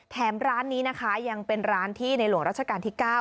แถมร้านนี้นะคะยังเป็นร้านที่ในหลวงราชการที่๙